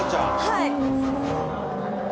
はい。